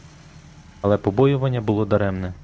Але побоювання було даремне.